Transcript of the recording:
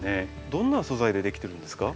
どんな素材でできてるんですか？